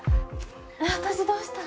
私どうしたら？